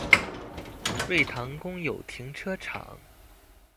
瑞塘公有停車場